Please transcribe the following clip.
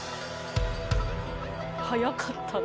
早かったな。